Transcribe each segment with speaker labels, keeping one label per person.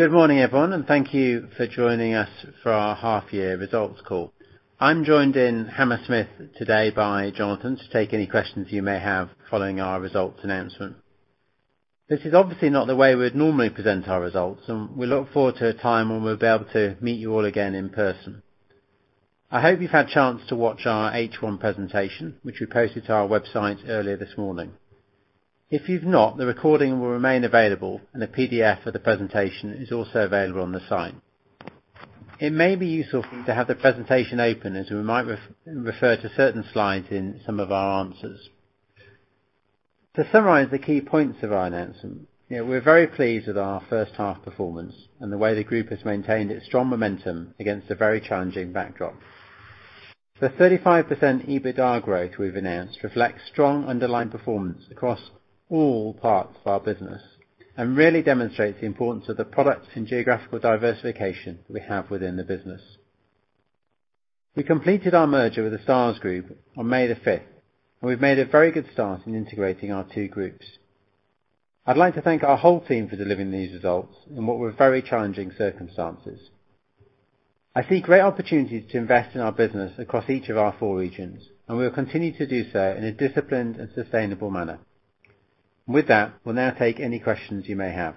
Speaker 1: Good morning, everyone, and thank you for joining us for our half-year results call. I'm joined in Hammersmith today by Jonathan to take any questions you may have following our results announcement. This is obviously not the way we'd normally present our results, and we look forward to a time when we'll be able to meet you all again in person. I hope you've had a chance to watch our H1 presentation, which we posted to our website earlier this morning. If you've not, the recording will remain available and a PDF of the presentation is also available on the site. It may be useful for you to have the presentation open, as we might refer to certain slides in some of our answers. To summarize the key points of our announcement, we're very pleased with our first half performance and the way the group has maintained its strong momentum against a very challenging backdrop. The 35% EBITDA growth we've announced reflects strong underlying performance across all parts of our business and really demonstrates the importance of the products and geographical diversification that we have within the business. We completed our merger with The Stars Group on May the 5th, and we've made a very good start in integrating our two groups. I'd like to thank our whole team for delivering these results in what were very challenging circumstances. I see great opportunities to invest in our business across each of our four regions, and we will continue to do so in a disciplined and sustainable manner. With that, we'll now take any questions you may have.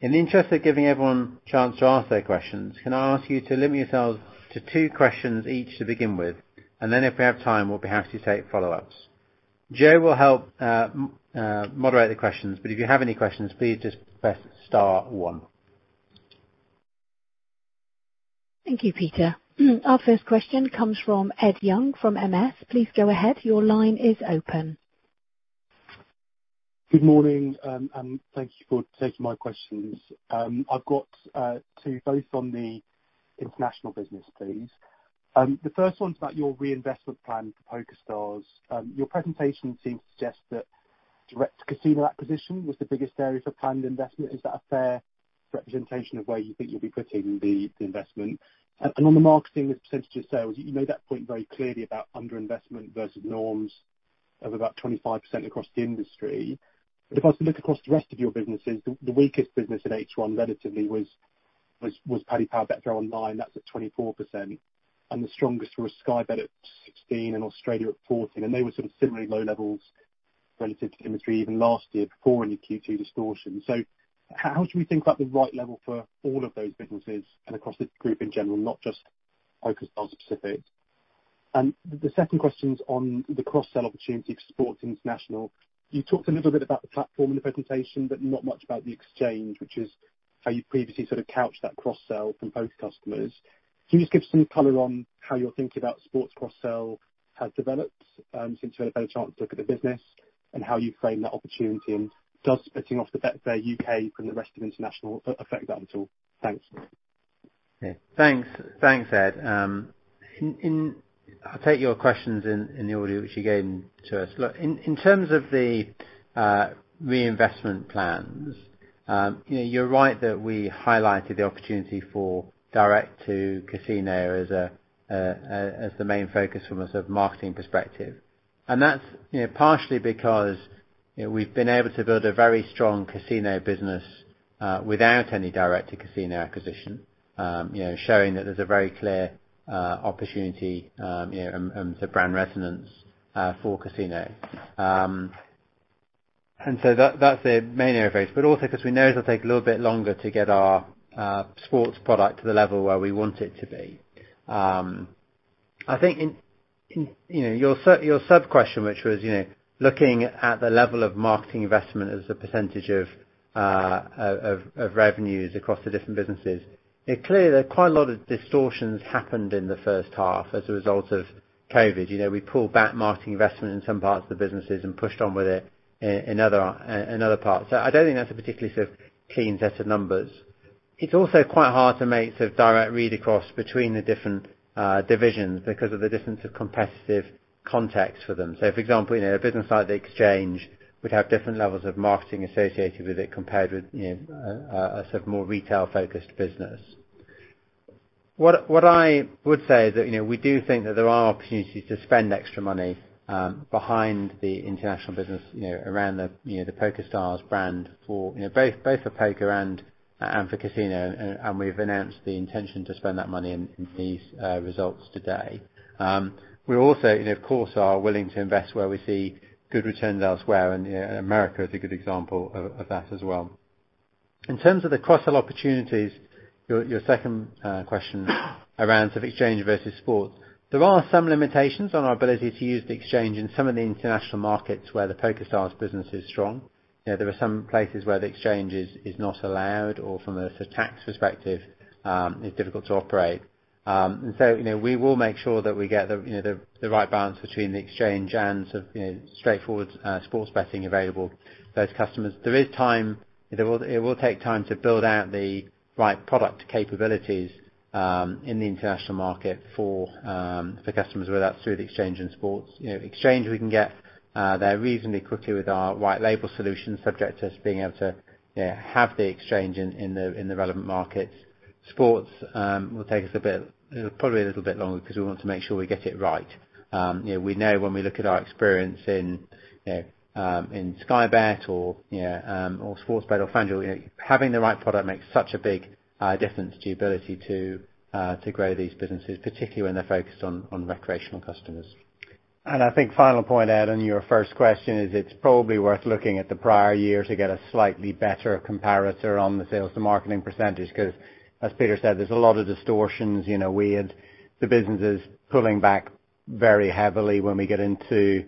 Speaker 1: In the interest of giving everyone a chance to ask their questions, can I ask you to limit yourselves to two questions each to begin with, and then if we have time, we'll be happy to take follow-ups. Joe will help moderate the questions, but if you have any questions, please just press star one.
Speaker 2: Thank you, Peter. Our first question comes from Ed Young from MS. Please go ahead. Your line is open.
Speaker 3: Good morning, and thank you for taking my questions. I've got two, both on the international business, please. The first one's about your reinvestment plan for PokerStars. Your presentation seems to suggest that direct casino acquisition was the biggest area for planned investment. Is that a fair representation of where you think you'll be putting the investment? On the marketing as a percentage of sales, you made that point very clearly about under-investment versus norms of about 25% across the industry. If I look across the rest of your businesses, the weakest business in H1 relatively was Paddy Power Betfair online, that's at 24%, and the strongest were Sky Bet at 16 and Australia at 14, and they were sort of similarly low levels relative to the industry even last year before any Q2 distortions. How should we think about the right level for all of those businesses and across the group in general, not just PokerStars specific? The second question is on the cross-sell opportunity for sports international. You talked a little bit about the platform in the presentation, but not much about the exchange, which is how you previously sort of couched that cross-sell from both customers. Can you just give some color on how you're thinking about sports cross-sell has developed since you've had a better chance to look at the business and how you frame that opportunity, and does splitting off the Betfair U.K. from the rest of international affect that at all? Thanks.
Speaker 1: Yeah. Thanks, Ed. I'll take your questions in the order which you gave them to us. Look, in terms of the reinvestment plans, you're right that we highlighted the opportunity for direct to casino as the main focus from a sort of marketing perspective. That's partially because we've been able to build a very strong casino business without any direct casino acquisition, showing that there's a very clear opportunity and brand resonance for casino. So that's the main area for us, but also because we know it'll take a little bit longer to get our sports product to the level where we want it to be. I think in your sub-question, which was looking at the level of marketing investment as a percentage of revenues across the different businesses, clearly there are quite a lot of distortions happened in the first half as a result of COVID. We pulled back marketing investment in some parts of the businesses and pushed on with it in other parts. I don't think that's a particularly sort of clean set of numbers. It's also quite hard to make sort of direct read-across between the different divisions because of the difference of competitive context for them. For example, a business like The Exchange would have different levels of marketing associated with it compared with a sort of more retail-focused business. What I would say is that we do think that there are opportunities to spend extra money behind the international business around the PokerStars brand, both for poker and for casino, and we've announced the intention to spend that money in these results today. We also, of course, are willing to invest where we see good returns elsewhere, and America is a good example of that as well. In terms of the cross-sell opportunities, your second question around sort of exchange versus sports, there are some limitations on our ability to use the exchange in some of the international markets where the PokerStars business is strong. There are some places where the exchange is not allowed or from a tax perspective, is difficult to operate. We will make sure that we get the right balance between the exchange and sort of straightforward sports betting available for those customers. It will take time to build out the right product capabilities in the international market for customers, whether that's through the exchange in sports. Exchange we can get there reasonably quickly with our white label solution, subject to us being able to have the exchange in the relevant markets. Sports will take us probably a little bit longer because we want to make sure we get it right. We know when we look at our experience in Sky Bet or Sportsbet or FanDuel, having the right product makes such a big difference to the ability to grow these businesses, particularly when they're focused on recreational customers.
Speaker 4: I think final point, Ed, on your first question is it's probably worth looking at the prior year to get a slightly better comparator on the sales and marketing percentage, because as Peter said, there's a lot of distortions. We had the businesses pulling back very heavily when we get into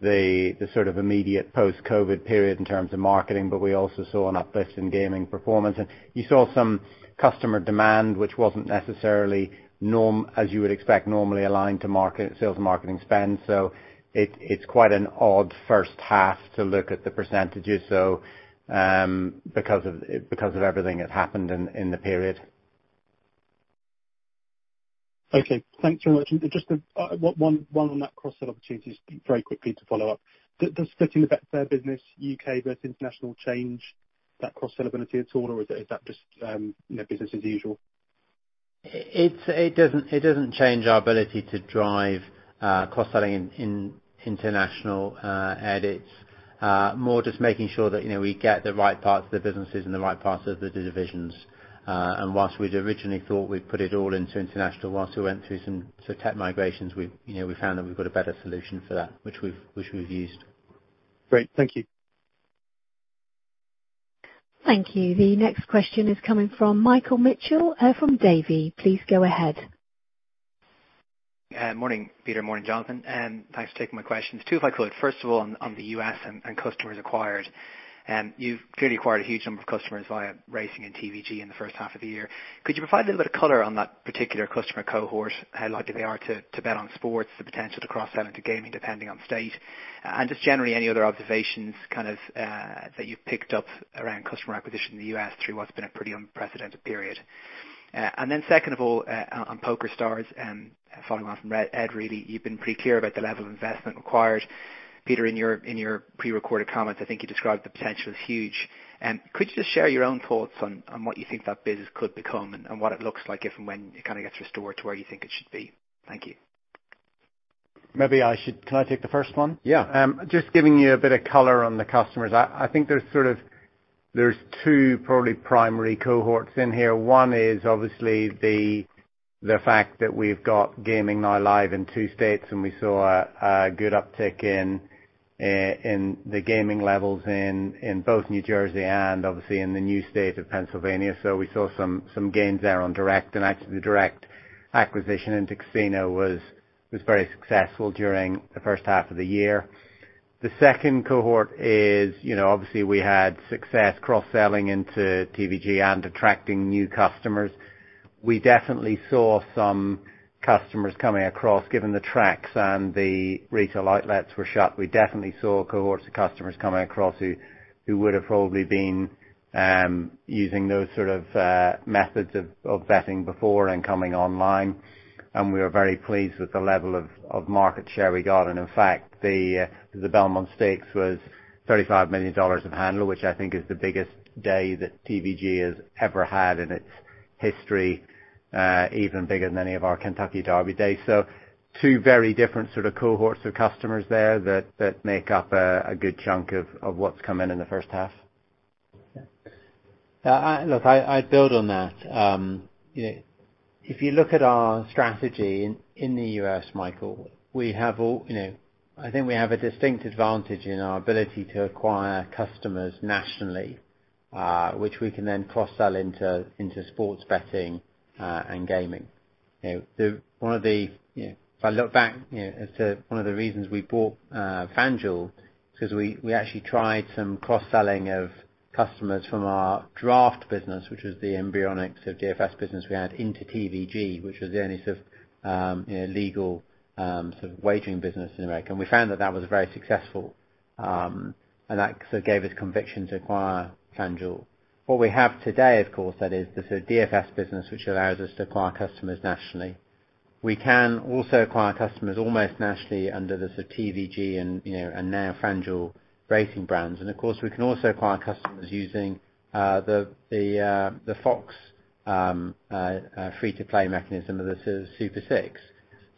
Speaker 4: the sort of immediate post-COVID period in terms of marketing, but we also saw an uplift in gaming performance. You saw some customer demand, which wasn't necessarily, as you would expect, normally aligned to sales and marketing spend. It's quite an odd first half to look at the percentages because of everything that happened in the period.
Speaker 3: Okay, thanks very much. Just one on that cross-sell opportunities very quickly to follow up. Does splitting the Betfair business U.K. versus international change that cross-sell ability at all, or is that just business as usual?
Speaker 1: It doesn't change our ability to drive cross-selling in international, Ed. It's more just making sure that we get the right parts of the businesses and the right parts of the divisions. Whilst we'd originally thought we'd put it all into international, whilst we went through some tech migrations, we found that we've got a better solution for that, which we've used.
Speaker 3: Great. Thank you.
Speaker 2: Thank you. The next question is coming from Michael Mitchell from Davy. Please go ahead.
Speaker 5: Morning, Peter. Morning, Jonathan, thanks for taking my questions. Two, if I could. First of all, on the U.S. and customers acquired. You've clearly acquired a huge number of customers via racing and TVG in the first half of the year. Could you provide a little bit of color on that particular customer cohort, how likely they are to bet on sports, the potential to cross-sell into gaming, depending on state? Just generally, any other observations, kind of, that you've picked up around customer acquisition in the U.S. through what's been a pretty unprecedented period. Then second of all, on PokerStars, following on from Ed, really, you've been pretty clear about the level of investment required. Peter, in your pre-recorded comments, I think I described the potential as huge. Could you just share your own thoughts on what you think that business could become and what it looks like if and when it kind of gets restored to where you think it should be? Thank you.
Speaker 4: Can I take the first one?
Speaker 1: Yeah.
Speaker 4: Just giving you a bit of color on the customers. I think there's two probably primary cohorts in here. One is obviously the fact that we've got gaming now live in two states, and we saw a good uptick in the gaming levels in both New Jersey and obviously in the new state of Pennsylvania. We saw some gains there on direct, and actually the direct acquisition into casino was very successful during the first half of the year. The second cohort is obviously we had success cross-selling into TVG and attracting new customers. We definitely saw some customers coming across, given the tracks and the retail outlets were shut. We definitely saw a cohort of customers coming across who would have probably been using those sort of methods of betting before and coming online, and we are very pleased with the level of market share we got. In fact, the Belmont Stakes was $35 million of handle, which I think is the biggest day that TVG has ever had in its history, even bigger than any of our Kentucky Derby days. Two very different sort of cohorts of customers there that make up a good chunk of what's come in in the first half.
Speaker 1: Look, I'd build on that. If you look at our strategy in the U.S., Michael, I think we have a distinct advantage in our ability to acquire customers nationally, which we can then cross-sell into sports betting and gaming. If I look back as to one of the reasons we bought FanDuel, because we actually tried some cross-selling of customers from our Draft business, which was the embryonic sort of DFS business we had into TVG, which was the only sort of legal sort of wagering business in America, we found that that was very successful. That gave us conviction to acquire FanDuel. What we have today, of course, that is the DFS business, which allows us to acquire customers nationally. We can also acquire customers almost nationally under the TVG and now FanDuel Racing brands. Of course, we can also acquire customers using the FOX free-to-play mechanism of the Super 6.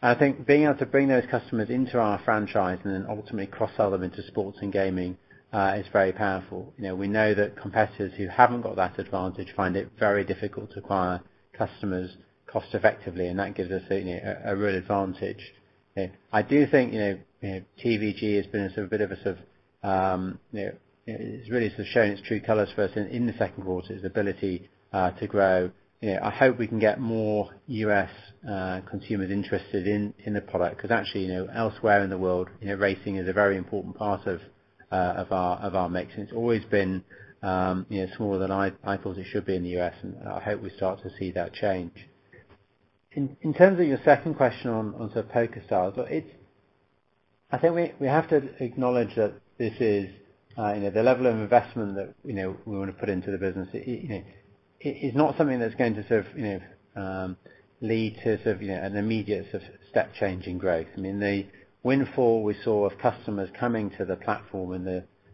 Speaker 1: I think being able to bring those customers into our franchise and then ultimately cross-sell them into sports and gaming is very powerful. We know that competitors who haven't got that advantage find it very difficult to acquire customers cost-effectively, and that gives us a real advantage. I do think TVG has really shown its true colors for us in the second quarter, its ability to grow. I hope we can get more U.S. consumers interested in the product because actually, elsewhere in the world racing is a very important part of our mix, and it's always been smaller than I thought it should be in the U.S., and I hope we start to see that change. In terms of your second question on PokerStars, I mean, we have to acknowledge that this is the level of investment that we want to put into the business. It's not something that's going to sort of lead to an immediate step change in growth. I mean, the windfall we saw of customers coming to the platform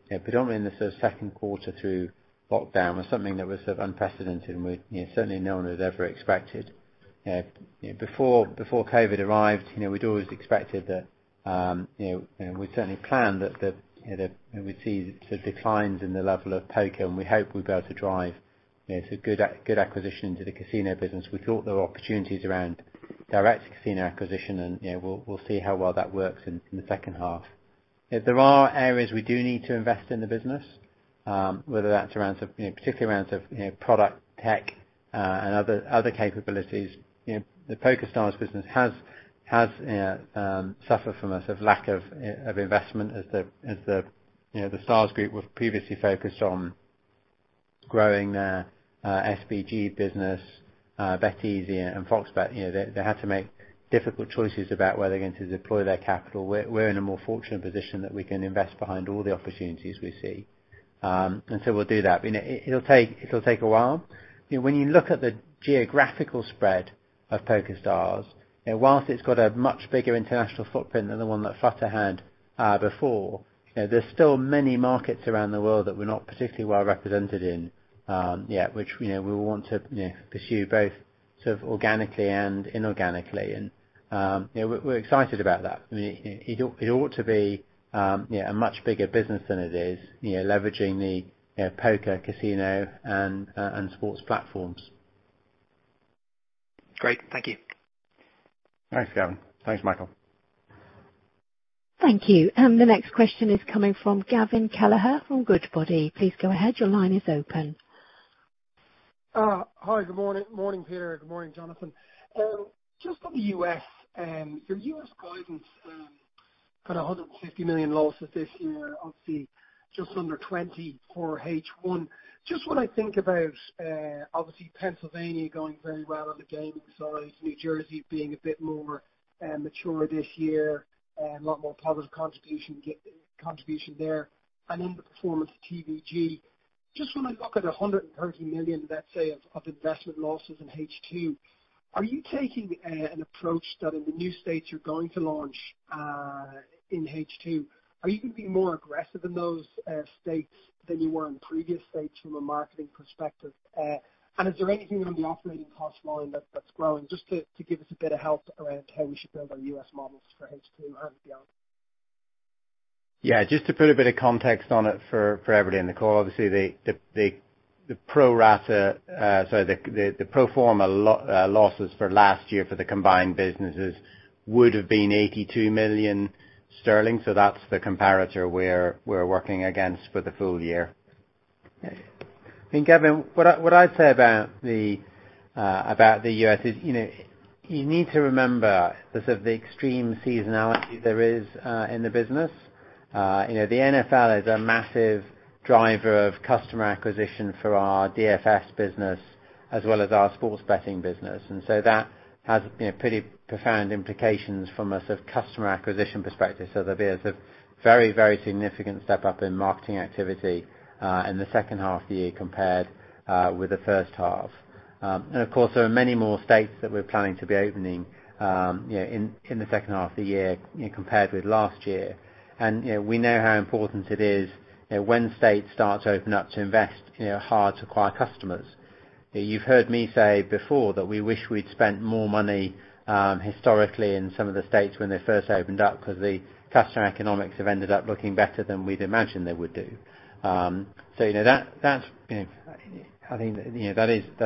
Speaker 1: predominantly in the sort of second quarter through lockdown was something that was sort of unprecedented and certainly no one had ever expected. Before COVID arrived, we'd always expected. We certainly planned that we'd see the declines in the level of poker, and we hope we'll be able to drive good acquisition into the casino business. We thought there were opportunities around direct casino acquisition, and we'll see how well that works in the second half. There are areas we do need to invest in the business, whether that's particularly around product tech, and other capabilities. The PokerStars business has suffered from a sort of lack of investment as The Stars Group was previously focused on growing their SBG business, BetEasy and FOX Bet. They had to make difficult choices about where they're going to deploy their capital. We're in a more fortunate position that we can invest behind all the opportunities we see. We'll do that. It'll take a while. When you look at the geographical spread of PokerStars, whilst it's got a much bigger international footprint than the one that Flutter had before, there's still many markets around the world that we're not particularly well represented in yet, which we want to pursue both organically and inorganically. We're excited about that. It ought to be a much bigger business than it is, leveraging the poker, casino, and sports platforms.
Speaker 5: Great. Thank you.
Speaker 4: Thanks, Gavin. Thanks, Michael.
Speaker 2: Thank you. The next question is coming from Gavin Kelleher from Goodbody. Please go ahead.
Speaker 6: Hi. Good morning, Peter. Good morning, Jonathan. On the U.S., your U.S. guidance for the $150 million losses this year, obviously just under $20 million for H1. When I think about, obviously Pennsylvania going very well on the gaming side, New Jersey being a bit more mature this year and a lot more positive contribution there. The performance of TVG. When I look at $130 million, let's say, of investment losses in H2, are you taking an approach that in the new states you're going to launch in H2, are you going to be more aggressive in those states than you were in previous states from a marketing perspective? Is there anything on the operating cost line that's growing just to give us a bit of help around how we should build our U.S. models for H2 and beyond?
Speaker 4: Just to put a bit of context on it for everybody in the call. Obviously, the pro forma losses for last year for the combined businesses would have been $82 million. That's the comparator we're working against for the full year.
Speaker 1: Gavin, what I'd say about the U.S. is you need to remember the extreme seasonality there is in the business. The NFL is a massive driver of customer acquisition for our DFS business as well as our sports betting business. That has pretty profound implications from a customer acquisition perspective. There'll be a very significant step up in marketing activity in the second half of the year compared with the first half. Of course, there are many more states that we're planning to be opening in the second half of the year compared with last year. We know how important it is when states start to open up to invest hard to acquire customers. You've heard me say before that we wish we'd spent more money historically in some of the states when they first opened up because the customer economics have ended up looking better than we'd imagined they would do. I think that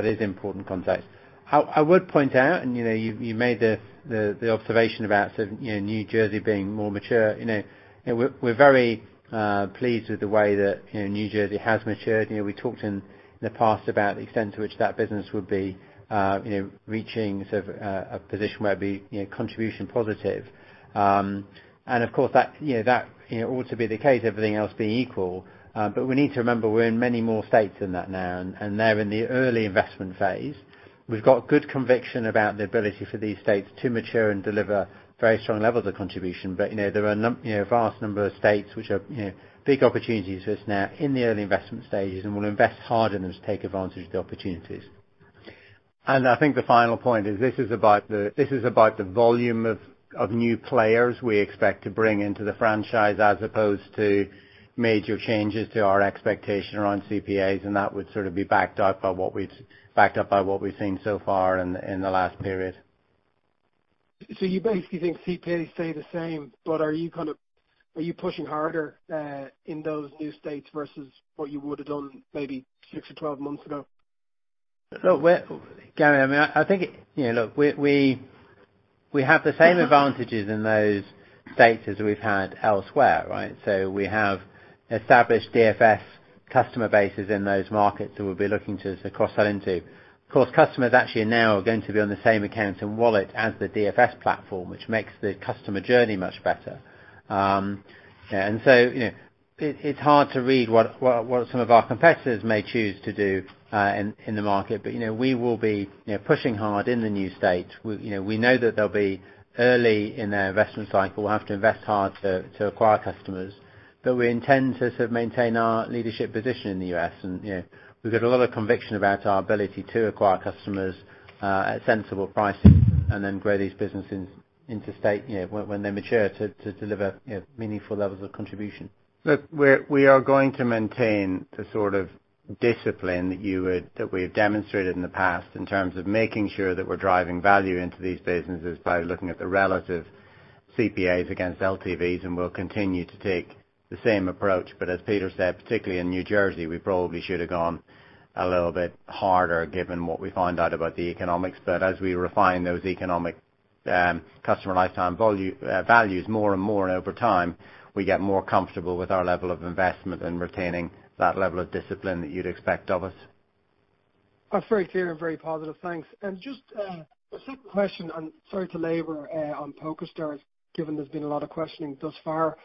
Speaker 1: is important context. I would point out, and you made the observation about New Jersey being more mature. We're very pleased with the way that New Jersey has matured. We talked in the past about the extent to which that business would be reaching a position where it'd be contribution positive. Of course that ought to be the case, everything else being equal. We need to remember we're in many more states than that now, and they're in the early investment phase. We've got good conviction about the ability for these states to mature and deliver very strong levels of contribution. There are a vast number of states which are big opportunities for us now in the early investment stages, and we'll invest hard in them to take advantage of the opportunities.
Speaker 4: I think the final point is this is about the volume of new players we expect to bring into the franchise as opposed to major changes to our expectation around CPAs, and that would sort of be backed up by what we've seen so far in the last period.
Speaker 6: You basically think CPAs stay the same, but are you pushing harder in those new states versus what you would have done maybe six or 12 months ago?
Speaker 1: Gavin, we have the same advantages in those states as we've had elsewhere, right? We have established DFS customer bases in those markets that we'll be looking to cross sell into. Of course, customers actually now are going to be on the same accounts and wallet as the DFS platform, which makes the customer journey much better. It's hard to read what some of our competitors may choose to do in the market. We will be pushing hard in the new states. We know that they'll be early in their investment cycle. We'll have to invest hard to acquire customers. We intend to sort of maintain our leadership position in the U.S., and we've got a lot of conviction about our ability to acquire customers at sensible prices and then grow these businesses into state when they mature to deliver meaningful levels of contribution.
Speaker 4: Look, we are going to maintain the sort of discipline that we've demonstrated in the past, in terms of making sure that we're driving value into these businesses by looking at the relative CPAs against LTVs, and we'll continue to take the same approach. As Peter said, particularly in New Jersey, we probably should have gone a little bit harder given what we found out about the economics. As we refine those economic customer lifetime values more and more over time, we get more comfortable with our level of investment and retaining that level of discipline that you'd expect of us.
Speaker 6: That's very clear and very positive. Thanks. Just a second question, and sorry to labor on PokerStars, given there's been a lot of questioning thus far.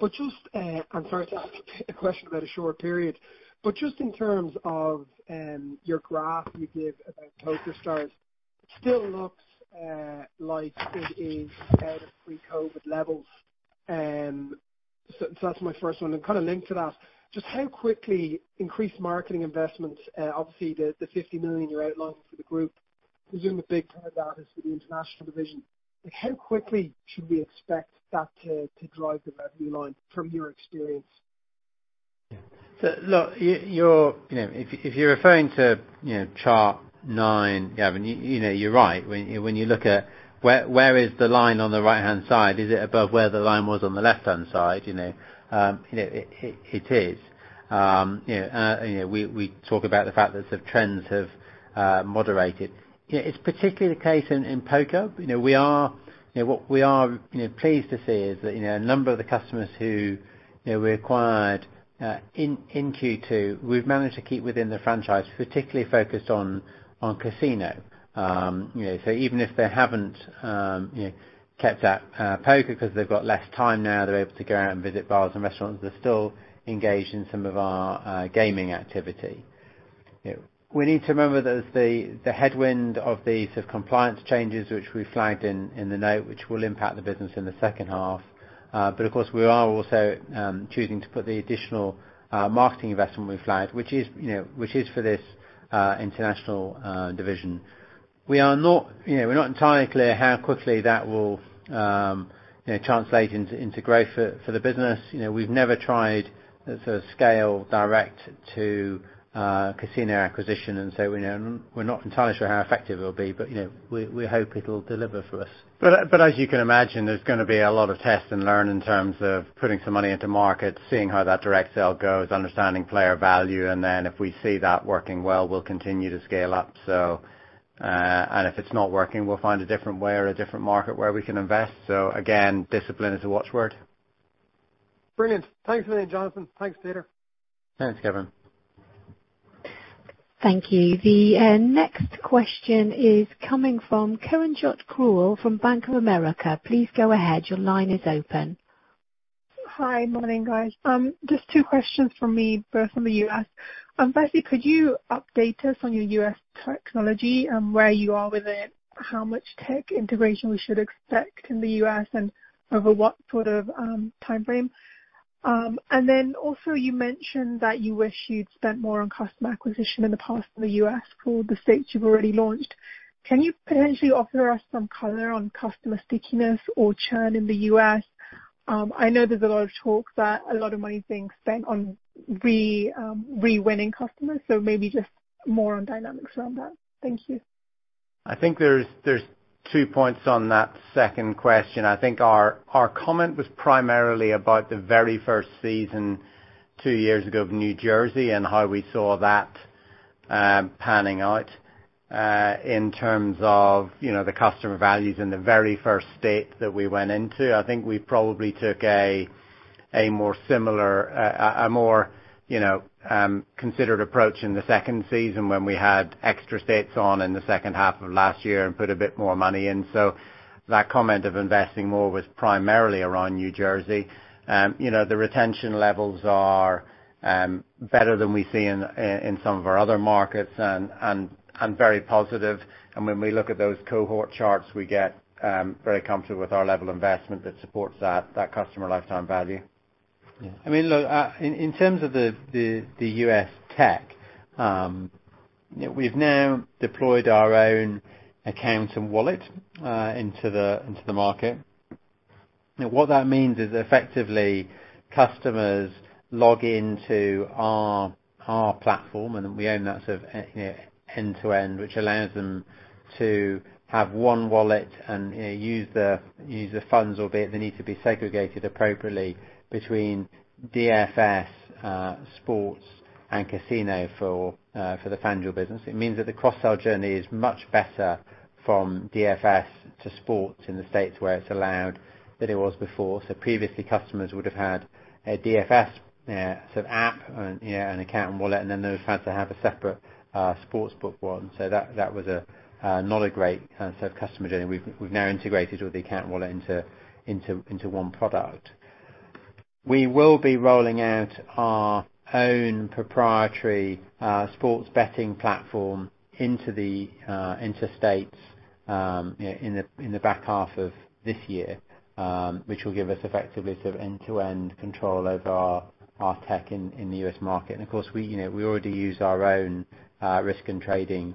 Speaker 6: I'm sorry to ask a question about a short period, but just in terms of your graph you gave about PokerStars, it still looks like it is out of pre-COVID levels. That's my first one. Kind of linked to that, just how quickly increased marketing investments, obviously the 50 million you're outlining for the group, I presume a big part of that is for the international division. Like, how quickly should we expect that to drive the revenue line from your experience?
Speaker 1: Look, if you're referring to Chart nine, Gavin, you're right. When you look at where is the line on the right-hand side, is it above where the line was on the left-hand side? It is. We talk about the fact that the trends have moderated. It is particularly the case in poker. What we are pleased to see is that a number of the customers who we acquired in Q2, we have managed to keep within the franchise, particularly focused on casino. Even if they have not kept at poker because they have got less time now, they are able to go out and visit bars and restaurants, they are still engaged in some of our gaming activity. We need to remember there is the headwind of these compliance changes, which we flagged in the note, which will impact the business in the second half. Of course, we are also choosing to put the additional marketing investment we flagged, which is for this international division. We're not entirely clear how quickly that will translate into growth for the business. We've never tried scale direct to casino acquisition and so we're not entirely sure how effective it'll be, but we hope it'll deliver for us.
Speaker 4: As you can imagine, there's going to be a lot of test and learn in terms of putting some money into market, seeing how that direct sale goes, understanding player value, and then if we see that working well, we'll continue to scale up. If it's not working, we'll find a different way or a different market where we can invest. Again, discipline is a watch word.
Speaker 6: Brilliant. Thanks a million, Jonathan. Thanks, Peter.
Speaker 4: Thanks, Gavin.
Speaker 2: Thank you. The next question is coming from Kiranjot Grewal from Bank of America. Please go ahead. Your line is open.
Speaker 7: Hi. Morning, guys. Just two questions from me, both from the U.S. Firstly, could you update us on your U.S. technology and where you are with it, how much tech integration we should expect in the U.S. and over what sort of timeframe? Also you mentioned that you wish you'd spent more on customer acquisition in the past in the U.S. for the states you've already launched. Can you potentially offer us some color on customer stickiness or churn in the U.S.? I know there's a lot of talk that a lot of money is being spent on re-winning customers. Maybe just more on dynamics around that. Thank you.
Speaker 4: I think there's two points on that second question. I think our comment was primarily about the very first season two years ago of New Jersey and how we saw that panning out, in terms of the customer values in the very first state that we went into. I think we probably took a more considered approach in the second season when we had extra states on in the second half of last year and put a bit more money in. That comment of investing more was primarily around New Jersey. The retention levels are better than we see in some of our other markets and very positive, and when we look at those cohort charts, we get very comfortable with our level of investment that supports that customer lifetime value.
Speaker 1: Yeah. I mean, look, in terms of the U.S. tech, we've now deployed our own account and wallet into the market. What that means is that effectively, customers log into our platform, and we own that end-to-end, which allows them to have one wallet and use the funds, albeit they need to be segregated appropriately between DFS, sports, and casino for the FanDuel business. It means that the cross-sell journey is much better from DFS to sports in the U.S. where it's allowed than it was before. Previously, customers would have had a DFS app and account and wallet, and then they would have had to have a separate sportsbook one. That was not a great customer journey. We've now integrated with the account wallet into one product. We will be rolling out our own proprietary sports betting platform into states in the back half of this year, which will give us effectively end-to-end control over our tech in the U.S. market. Of course, we already use our own risk and trading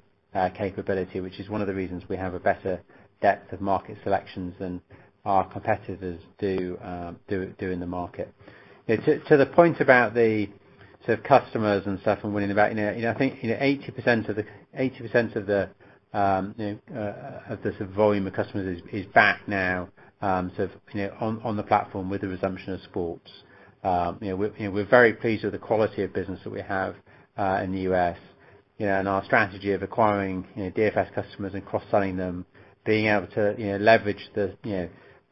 Speaker 1: capability, which is one of the reasons we have a better depth of market selections than our competitors do in the market. To the point about the customers and stuff and winning about, I think 80% of the volume of customers is back now on the platform with the resumption of sports. We are very pleased with the quality of business that we have in the U.S. and our strategy of acquiring DFS customers and cross-selling them, being able to leverage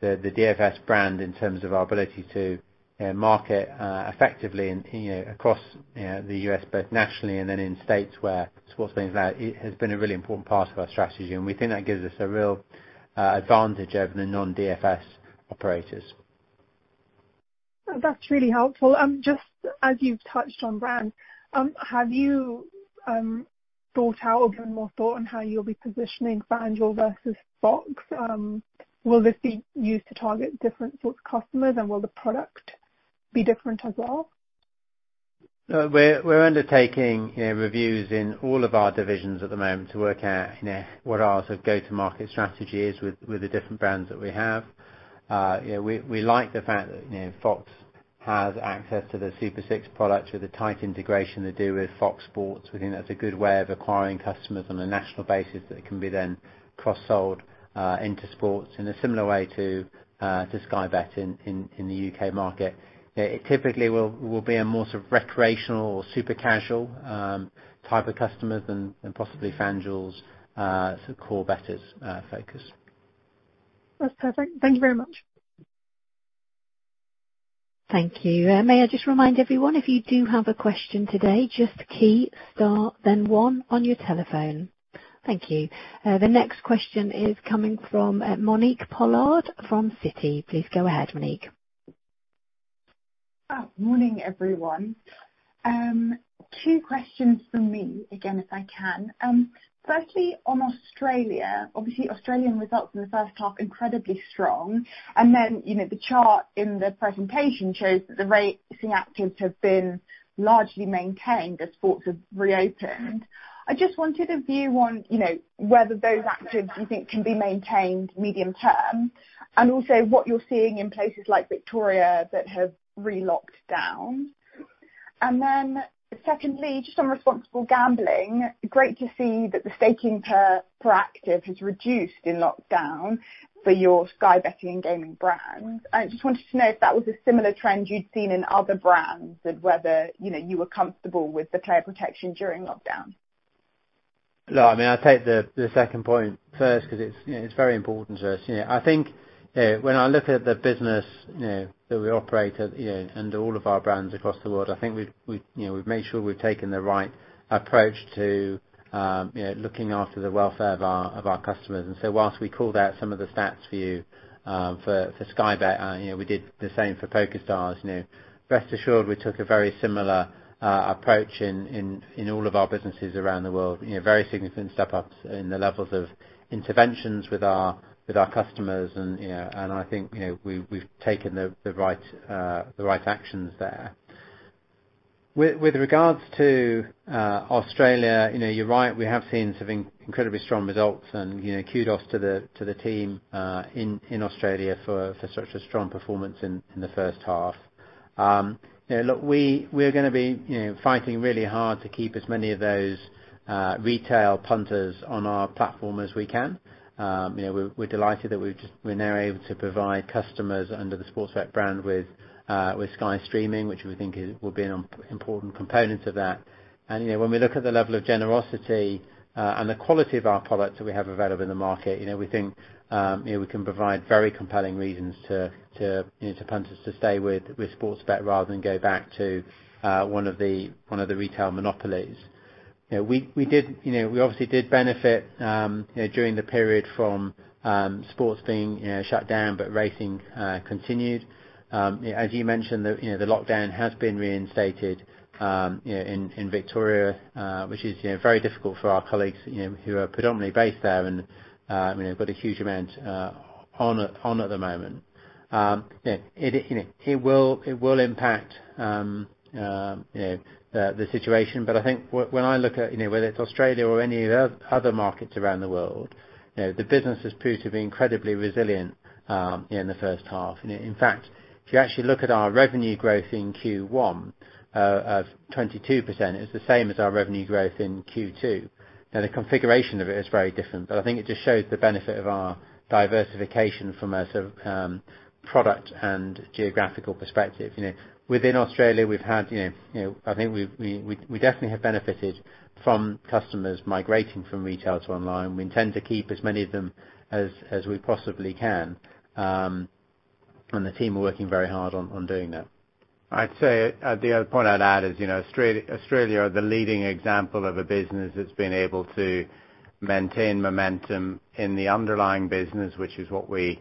Speaker 1: the DFS brand in terms of our ability to market effectively across the U.S. both nationally and then in states where sports betting is allowed. It has been a really important part of our strategy, and we think that gives us a real advantage over the non-DFS operators.
Speaker 7: That's really helpful. Just as you've touched on brand, have you thought out or given more thought on how you'll be positioning FanDuel versus FOX? Will this be used to target different sorts of customers, and will the product be different as well?
Speaker 1: We're undertaking reviews in all of our divisions at the moment to work out what our go-to market strategy is with the different brands that we have. We like the fact that FOX has access to the Super 6 product with a tight integration they do with FOX Sports. We think that's a good way of acquiring customers on a national basis that can be then cross-sold into sports in a similar way to Sky Bet in the U.K. market. It typically will be a more recreational or super casual type of customers than possibly FanDuel's core bettors focus.
Speaker 7: That's perfect. Thank you very much.
Speaker 2: Thank you. May I just remind everyone, if you do have a question today, just key star, one on your telephone. Thank you. The next question is coming from Monique Pollard from Citi. Please go ahead, Monique.
Speaker 8: Morning, everyone. Two questions from me again, if I can. Firstly, on Australia, obviously Australian results in the first half, incredibly strong. The chart in the presentation shows that the racing actives have been largely maintained as sports have reopened. I just wanted a view on whether those actives you think can be maintained medium term, and also what you're seeing in places like Victoria that have re-locked down. Secondly, just on responsible gambling, great to see that the staking per active has reduced in lockdown for your Sky Betting & Gaming brands. I just wanted to know if that was a similar trend you'd seen in other brands and whether you were comfortable with the player protection during lockdown.
Speaker 1: I take the second point first because it's very important to us. I think when I look at the business that we operate and all of our brands across the world, I think we've made sure we've taken the right approach to looking after the welfare of our customers. Whilst we called out some of the stats for you for Sky Bet, we did the same for PokerStars. Rest assured, we took a very similar approach in all of our businesses around the world, very significant step ups in the levels of interventions with our customers, and I think we've taken the right actions there. With regards to Australia, you're right. We have seen some incredibly strong results and kudos to the team in Australia for such a strong performance in the first half. Look, we're going to be fighting really hard to keep as many of those retail punters on our platform as we can. We're delighted that we're now able to provide customers under the Sportsbet brand with Sky Streaming, which we think will be an important component of that. When we look at the level of generosity and the quality of our products that we have available in the market, we think we can provide very compelling reasons to punters to stay with Sportsbet rather than go back to one of the retail monopolies. We obviously did benefit during the period from sports being shut down, but racing continued. You mentioned, the lockdown has been reinstated in Victoria which is very difficult for our colleagues who are predominantly based there and got a huge amount on at the moment. It will impact the situation, but I think when I look at whether it's Australia or any other markets around the world, the business has proved to be incredibly resilient in the first half. In fact, if you actually look at our revenue growth in Q1 of 22%, it's the same as our revenue growth in Q2. Now, the configuration of it is very different, but I think it just shows the benefit of our diversification from a product and geographical perspective. Within Australia, I think we definitely have benefited from customers migrating from retail to online. We intend to keep as many of them as we possibly can. The team are working very hard on doing that.
Speaker 4: I'd say the other point I'd add is Australia are the leading example of a business that's been able to maintain momentum in the underlying business, which is what we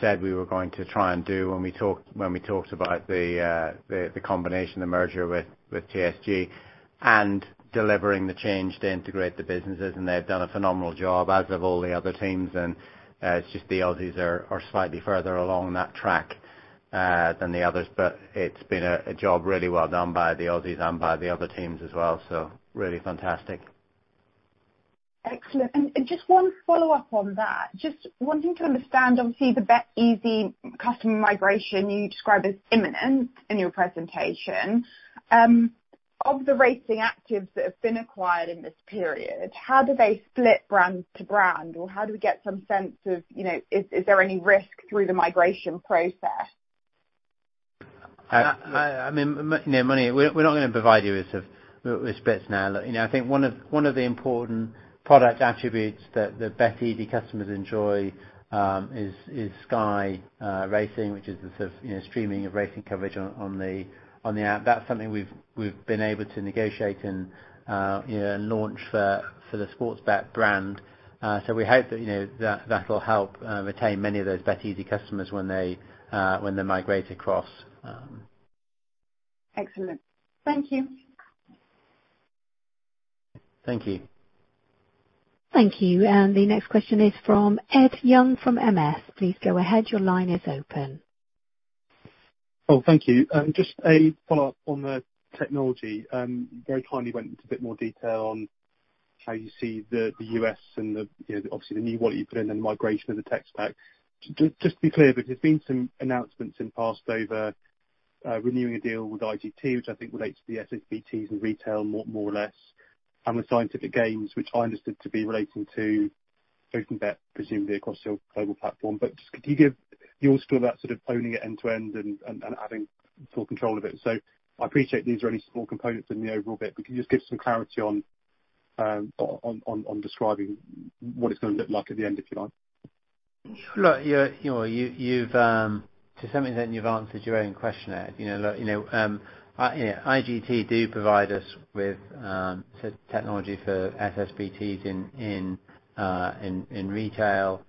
Speaker 4: said we were going to try and do when we talked about the combination, the merger with TSG and delivering the change to integrate the businesses. They've done a phenomenal job, as have all the other teams. It's just the Aussies are slightly further along that track than the others. It's been a job really well done by the Aussies and by the other teams as well. Really fantastic.
Speaker 8: Excellent. Just one follow-up on that. Just wanting to understand, obviously, the BetEasy customer migration you describe as imminent in your presentation. Of the racing actives that have been acquired in this period, how do they split brand to brand? How do we get some sense of is there any risk through the migration process?
Speaker 1: Moni, we're not going to provide you with splits now. I think one of the important product attributes that BetEasy customers enjoy is Sky Racing, which is the streaming of racing coverage on the app. That's something we've been able to negotiate and launch for the Sportsbet brand. We hope that will help retain many of those BetEasy customers when they migrate across.
Speaker 8: Excellent. Thank you.
Speaker 1: Thank you.
Speaker 2: Thank you. The next question is from Ed Young from MS. Please go ahead. Your line is open.
Speaker 3: Oh, thank you. Just a follow-up on the technology. You very kindly went into a bit more detail on how you see the U.S. and obviously the new wallet you put in and the migration of the tech stack. Just to be clear, because there's been some announcements in the past over renewing a deal with IGT, which I think relates to the SSBTs and retail more or less, and with Scientific Games, which I understood to be relating to OpenBet presumably across your global platform. Just could you give your story about sort of owning it end to end and having full control of it? I appreciate these are only small components in the overall bit, but can you just give some clarity on describing what it's going to look like at the end, if you like?
Speaker 1: Look, to some extent you've answered your own question there. IGT do provide us with technology for SSBTs in retail.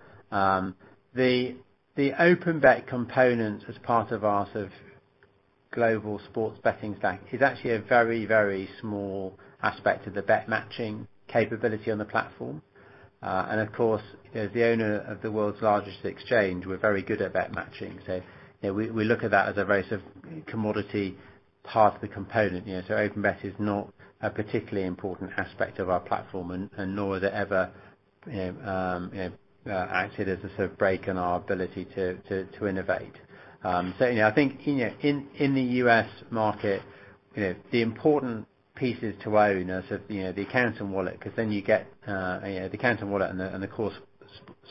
Speaker 1: The OpenBet component was part of our global sports betting stack. It's actually a very small aspect of the bet matching capability on the platform. Of course, as the owner of the world's largest exchange, we're very good at bet matching. We look at that as a very commodity part of the component. OpenBet is not a particularly important aspect of our platform and nor has it ever acted as a break in our ability to innovate. I think in the U.S. market the important pieces to own are the account and wallet because then you get the account and wallet and of course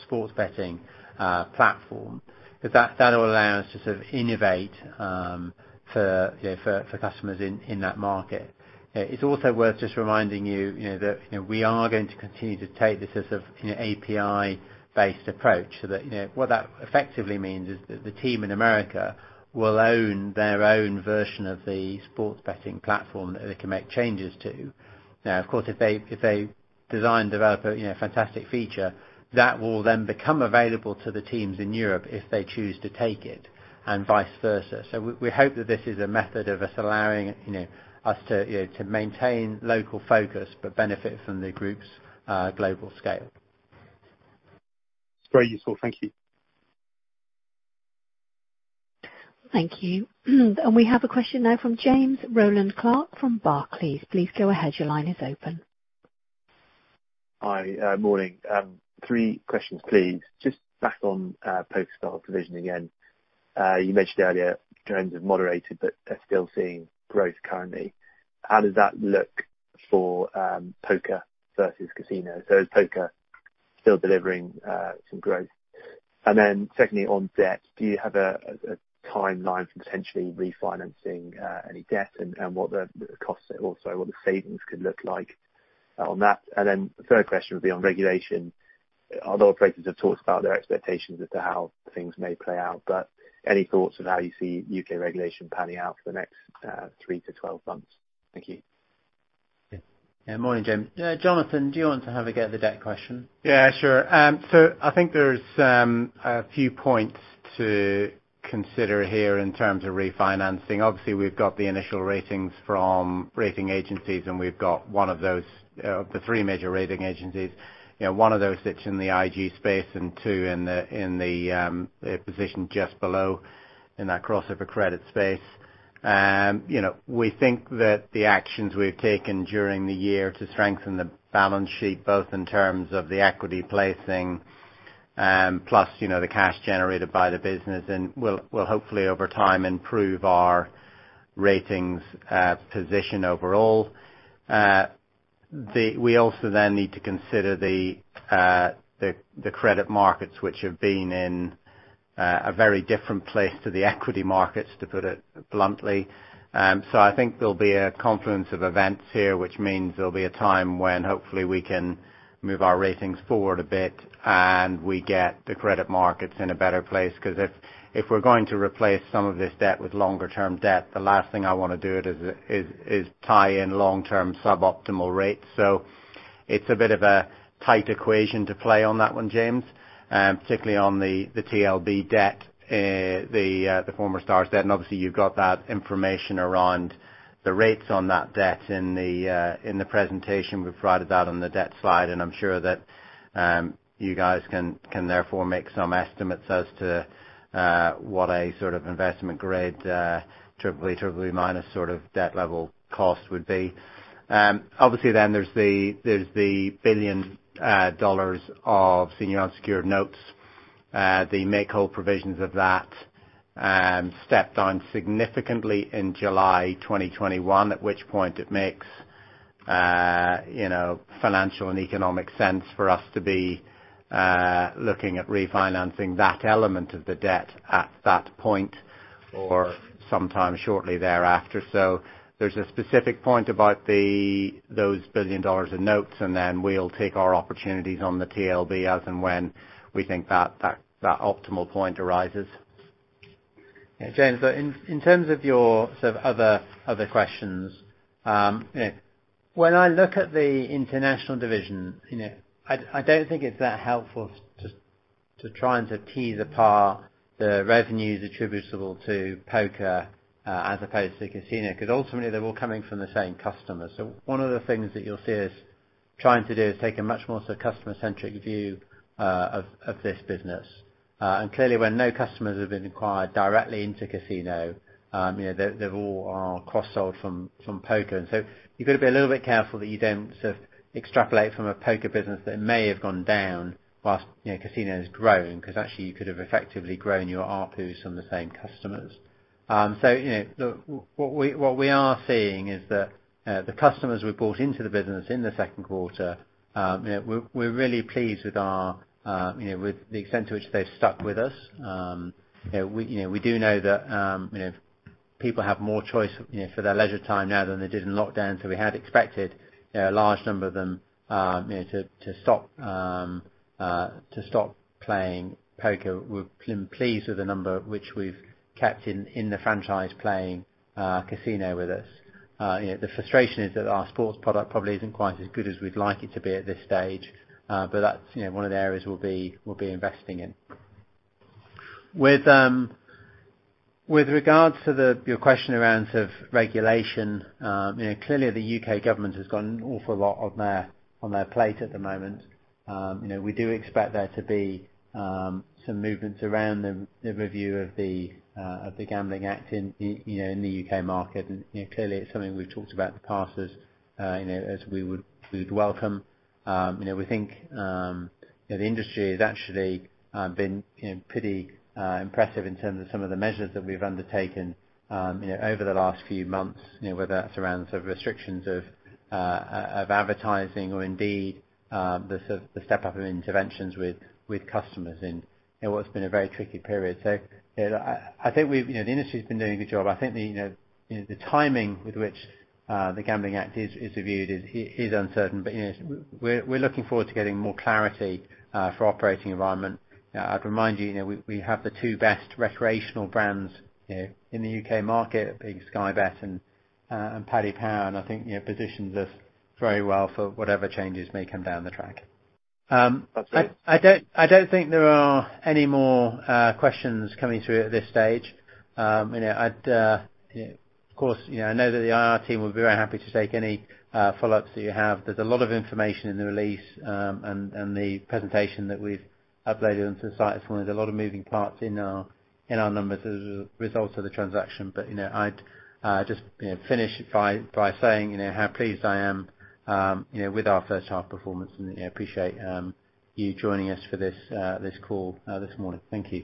Speaker 1: sports betting platform. That will allow us to innovate for customers in that market. It's also worth just reminding you that we are going to continue to take this as an API-based approach so that what that effectively means is that the team in America will own their own version of the sports betting platform that they can make changes to. Now, of course, if they design, develop a fantastic feature, that will then become available to the teams in Europe if they choose to take it and vice versa. We hope that this is a method of us allowing us to maintain local focus but benefit from the group's global scale.
Speaker 3: Very useful. Thank you.
Speaker 2: Thank you. We have a question now from James Rowland Clark from Barclays. Please go ahead. Your line is open.
Speaker 9: Hi. Morning. Three questions, please. Just back on PokerStars provision again. You mentioned earlier trends have moderated, but they're still seeing growth currently. How does that look for poker versus casino? Is poker still delivering some growth? Secondly, on debt, do you have a timeline for potentially refinancing any debt and what the costs are? Also, what the savings could look like on that? The third question would be on regulation. Other operators have talked about their expectations as to how things may play out, but any thoughts on how you see U.K. regulation panning out for the next 3 to 12 months? Thank you.
Speaker 1: Yeah, morning, James. Jonathan, do you want to have a go at the debt question?
Speaker 4: Yeah, sure. I think there's a few points to consider here in terms of refinancing. Obviously, we've got the initial ratings from rating agencies, and we've got one of those, the three major rating agencies, one of those sits in the IG space and two in the position just below in that crossover credit space. We think that the actions we've taken during the year to strengthen the balance sheet, both in terms of the equity placing, plus the cash generated by the business will hopefully over time improve our ratings position overall. We also need to consider the credit markets, which have been in a very different place to the equity markets, to put it bluntly. I think there'll be a confluence of events here, which means there'll be a time when hopefully we can move our ratings forward a bit and we get the credit markets in a better place. If we're going to replace some of this debt with longer-term debt, the last thing I want to do is tie in long-term suboptimal rates. It's a bit of a tight equation to play on that one, James, particularly on the TLB debt, the former Stars debt. Obviously, you've got that information around the rates on that debt in the presentation we provided that on the debt slide, and I'm sure that you guys can therefore make some estimates as to what a sort of investment grade AAA- sort of debt level cost would be. Then there's the $1 billion of senior unsecured notes The make whole provisions of that stepped on significantly in July 2021, at which point it makes financial and economic sense for us to be looking at refinancing that element of the debt at that point or sometime shortly thereafter. There's a specific point about those $1 billion in notes, and then we'll take our opportunities on the TLB as and when we think that optimal point arises.
Speaker 1: James, in terms of your other questions, when I look at the international division, I don't think it's that helpful to try and to tease apart the revenues attributable to poker as opposed to casino, because ultimately they're all coming from the same customer. One of the things that you'll see us trying to do is take a much more customer-centric view of this business. Clearly, when no customers have been acquired directly into casino, they all are cross-sold from poker. You've got to be a little bit careful that you don't extrapolate from a poker business that may have gone down whilst casino has grown, because actually you could have effectively grown your ARPU from the same customers. What we are seeing is that the customers we brought into the business in the second quarter, we're really pleased with the extent to which they've stuck with us. We do know that people have more choice for their leisure time now than they did in lockdown. We had expected a large number of them to stop playing poker. We're pleased with the number which we've kept in the franchise playing casino with us. The frustration is that our sports product probably isn't quite as good as we'd like it to be at this stage. That's one of the areas we'll be investing in. With regards to your question around regulation, clearly the U.K. government has got an awful lot on their plate at the moment. We do expect there to be some movements around the review of the Gambling Act in the U.K. market. Clearly it's something we've talked about in the past as we would welcome. We think the industry has actually been pretty impressive in terms of some of the measures that we've undertaken over the last few months, whether that's around restrictions of advertising or indeed the step up in interventions with customers in what's been a very tricky period. I think the industry's been doing a good job. I think the timing with which the Gambling Act is reviewed is uncertain. We're looking forward to getting more clarity for our operating environment. I'd remind you, we have the two best recreational brands in the U.K. market, being Sky Bet and Paddy Power, and I think positions us very well for whatever changes may come down the track.
Speaker 9: That's it.
Speaker 1: I don't think there are any more questions coming through at this stage. Of course, I know that the IR team will be very happy to take any follow-ups that you have. There is a lot of information in the release and the presentation that we have uploaded onto the site this morning. There is a lot of moving parts in our numbers as a result of the transaction. I would just finish by saying how pleased I am with our first half performance, and appreciate you joining us for this call this morning. Thank you